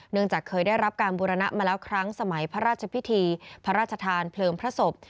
จากเคยได้รับการบูรณะมาแล้วครั้งสมัยพระราชพิธีพระราชทานเพลิงพระศพ